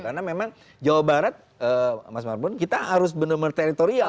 karena memang jawa barat mas marbon kita harus benar benar teritorial